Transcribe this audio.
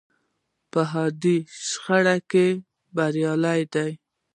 په حادو شخړو کې بریالۍ ده.